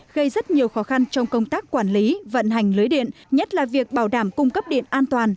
gây rất nhiều khó khăn trong công tác quản lý vận hành lưới điện nhất là việc bảo đảm cung cấp điện an toàn